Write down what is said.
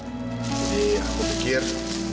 jadi aku pikir